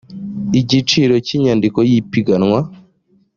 igiciro cy inyandiko y ipiganwa